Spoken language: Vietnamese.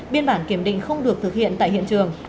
biên bản kiểm định không được thực hiện tại hiện trường